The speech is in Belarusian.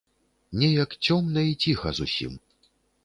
Неяк цёмна і ціха зусім.